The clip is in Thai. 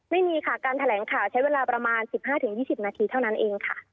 ไม่มีค่ะการแถลงข่าวใช้เวลาประมาณ๑๕๒๐นาทีเท่านั้นเองค่ะ